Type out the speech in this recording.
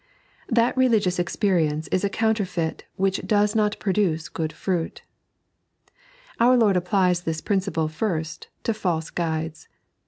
That Religious Experience is a Counterfeit which DOBS NOT Fboducb GtooD Fbuit. Our Lord applies this principle, first, to /alee guides.